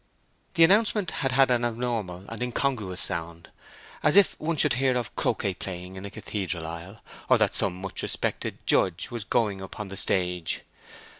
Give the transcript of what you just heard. The announcement had had an abnormal and incongruous sound, as if one should hear of croquet playing in a cathedral aisle, or that some much respected judge was going upon the stage.